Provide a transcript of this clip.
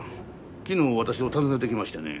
昨日私を訪ねてきましてね。